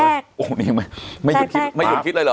แปลกไม่หยุ่นคิดเลยเหรอ